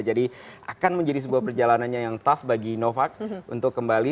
akan menjadi sebuah perjalanannya yang tough bagi novac untuk kembali